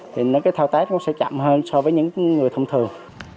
thì cái thao tác nó sẽ chậm hơn so với những người thông thường